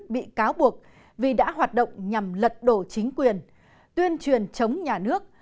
bị cáo buộc vì đã hoạt động nhằm lật đổ chính quyền tuyên truyền chống nhà nước